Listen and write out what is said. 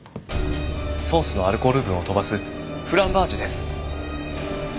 ソースのアルコール分を飛ばすフランバージュです。